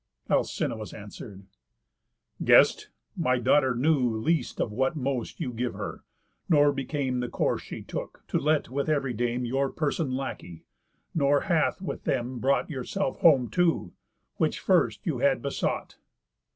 Alcinous answer'd: "Guest! my daughter knew Least of what most you give her; nor became The course she took, to let with ev'ry dame Your person lackey; nor hath with them brought Yourself home too; which first you had besought."